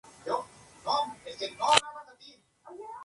Al igual que en el Galatasaray, desempeña el rol de mediocentro organizador.